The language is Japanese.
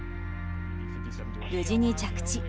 無事に着地。